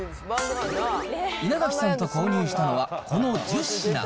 稲垣さんと購入したのはこの１０品。